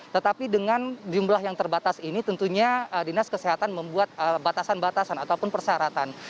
tetapi dengan jumlah yang terbatas ini tentunya dinas kesehatan membuat batasan batasan ataupun persyaratan